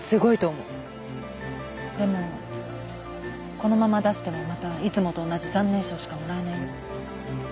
でもこのまま出してもまたいつもと同じ残念賞しかもらえないよ。